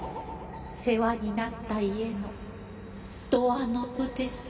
世話になった家のドアノブです。